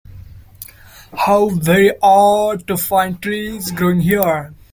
How very odd to find trees growing here!